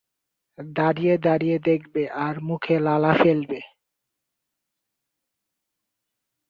দাঁড়িয়ে দাঁড়িয়ে দেখবে আর মুখে লালা ফেলবে?